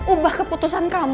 ubah keputusan kamu